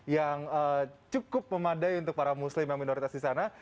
yang cukup memadai untuk para muslim yang minoritas di sana